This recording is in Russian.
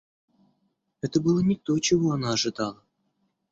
Это было не то, чего она ожидала.